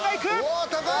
お高い！